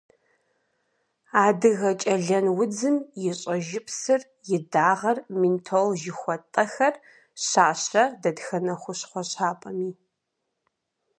Адыгэкӏэлэн удзым и щӏэжыпсыр, и дагъэр, ментол жыхуэтӏэхэр щащэ дэтхэнэ хущхъуэ щапӏэми.